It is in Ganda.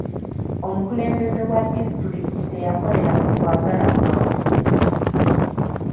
Omukulembeze wa disitulikiti teyakolera ku kwagala kwabwe.